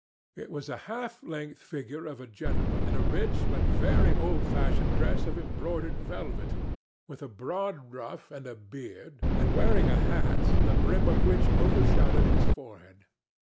It was a half length figure of a gentleman in a rich but very old fashioned dress of embroidered velvet, with a broad ruff and a beard, and wearing a hat the brim of which overshadowed his forehead.